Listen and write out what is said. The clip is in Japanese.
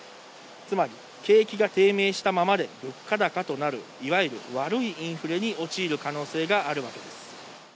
つまり景気が低迷したままで物価高となる、いわゆる悪いインフレに陥る可能性があるわけです。